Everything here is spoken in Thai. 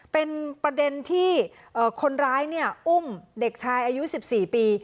เป็นประเด็นที่คนร้ายอุ้มเด็กชายอายุ๑๔ปี